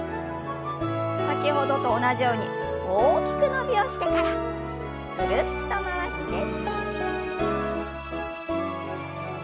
先ほどと同じように大きく伸びをしてからぐるっと回して。